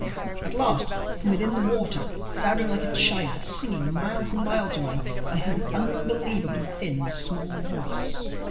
At last from within the water, sounding like a child singing miles and miles away, I heard an unbelievably thin, small voice.